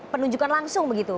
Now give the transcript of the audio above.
penunjukan langsung begitu